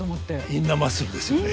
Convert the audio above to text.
インナーマッスルですね